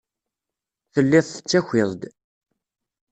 Telliḍ tettakiḍ-d.